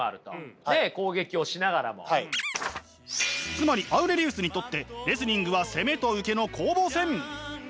つまりアウレリウスにとってレスリングは攻めと受けの攻防戦。